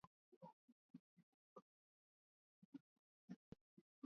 Kufuatia kuingizwa kwa Jamuhuri ya Kidemokrasia ya Kongo kuwa mwanachama mpya katika jumuiya hiyo